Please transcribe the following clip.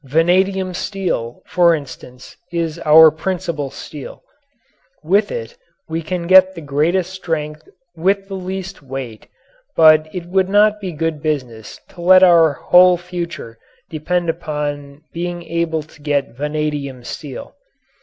Vanadium steel, for instance, is our principal steel. With it we can get the greatest strength with the least weight, but it would not be good business to let our whole future depend upon being able to get vanadium steel.